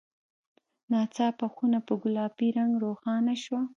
ناڅاپه خونه په ګلابي رڼا روښانه شوه.